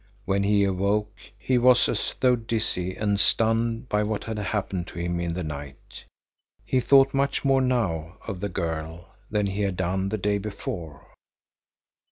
When he awoke, he was as though dizzy and stunned by what had happened to him in the night. He thought much more now of the girl than he had done the day before.